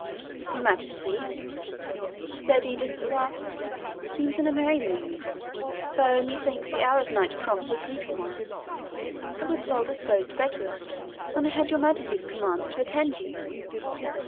"Your Majesty," said Edith at last, "seems in a merry mood, though, methinks, the hour of night prompts a sleepy one. I was well disposed bedward when I had your Majesty's commands to attend you."